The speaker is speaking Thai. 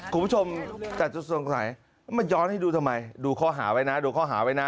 คุณผู้ชมแต่จะสงสัยมันย้อนให้ดูทำไมดูข้อหาไว้นะดูข้อหาไว้นะ